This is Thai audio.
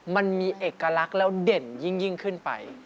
มันมีเอกลักษณ์แล้วเด่นยิ่งขึ้นไป